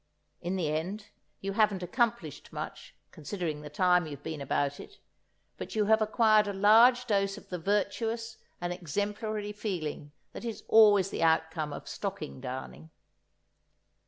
In the end, you haven't accomplished much, considering the time you've been about it, but you have acquired a large dose of the virtuous and exemplary feeling that is always the outcome of stocking darning.